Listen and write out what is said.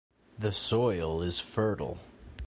The soil is fertile.